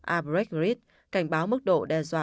albert gritt cảnh báo mức độ đe dọa